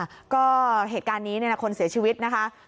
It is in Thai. ค่ะก็เหตุการณ์นี้คนเสียชีวิตนะคะ